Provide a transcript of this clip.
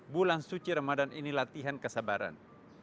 bulan suci ramadan ini latihan kesabaran